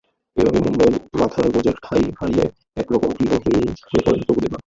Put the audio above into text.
এভাবে মুম্বাইয়ে মাথা গোঁজার ঠাঁই হারিয়ে একরকম গৃহহীনই হয়ে পড়েন প্রভুদেবা।